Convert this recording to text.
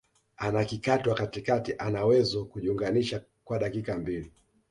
anakikatwa katikati anawezo kujiunganisha kwa dakika mbili